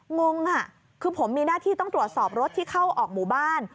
งงอ่ะคือผมมีหน้าที่ต้องตรวจสอบรถที่เข้าออกหมู่บ้าน